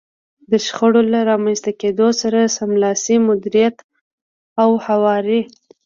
د شخړو له رامنځته کېدو سره سملاسي مديريت او هواری.